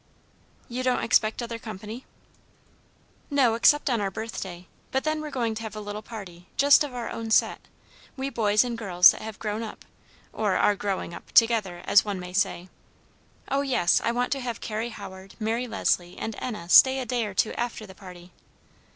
"You don't expect other company?" "No, except on our birthday; but then we're going to have a little party, just of our own set, we boys and girls that have grown up or are growing up together, as one may say. Oh, yes, I want to have Carrie Howard, Mary Leslie, and Enna stay a day or two after the party.